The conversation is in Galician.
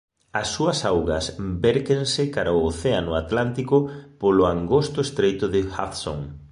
As súas augas vértense cara ao océano Atlántico polo angosto Estreito de Hudson.